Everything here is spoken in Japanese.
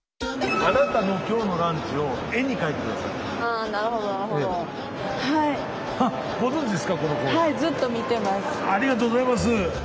ありがとうございます。